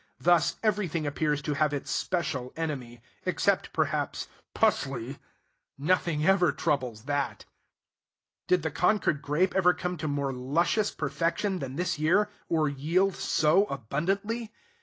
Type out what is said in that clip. Thus everything appears to have its special enemy, except, perhaps, p y: nothing ever troubles that. Did the Concord Grape ever come to more luscious perfection than this year? or yield so abundantly?